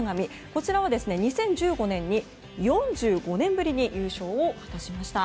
こちらは２０１５年に４５年ぶりに優勝を果たしました。